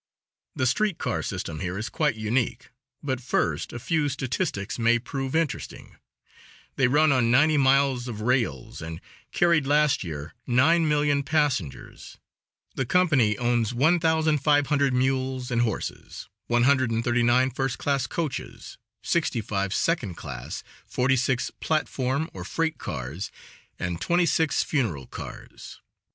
The street car system here is quite unique. But first a few statistics may prove interesting; they run on ninety miles of rails, and carried last year nine million passengers; the company owns one thousand five hundred mules and horses, one hundred and thirty nine first class coaches, sixty five second class, forty six platform or freight cars, and twenty six funeral cars.